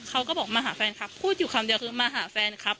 เขาก็บอกมาหาแฟนครับพูดอยู่คำเดียวคือมาหาแฟนครับ